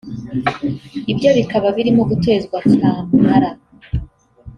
ibye bikaba birimo gutezwa cyamunara